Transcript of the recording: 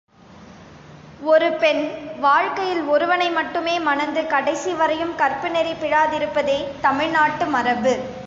ஒரு பெண் வாழ்க்கையில் ஒருவனை மட்டுமே மணந்து கடைசி வரையும் கற்பு நெறி பிறழாதிருப்பதே தமிழ் நாட்டு மரபு.